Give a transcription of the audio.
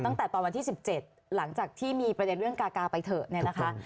ตั้งแต่ตอนวันที่๑๗หลังจากที่มีประเด็นเรื่องกาไปเถอะ